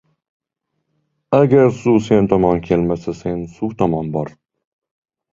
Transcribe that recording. • Agar suv sen tomon kelmasa, sen suv tomon bor.